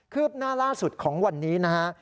ืบหน้าล่าสุดของวันนี้นะฮะ